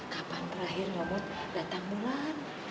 kapan terakhir nyomot datang bulan